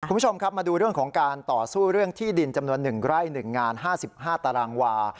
คุณผู้ชมครับมาดูเรื่องของการต่อสู้เรื่องที่ดินจำนวน๑ไร่๑งาน๕๕ตารางวา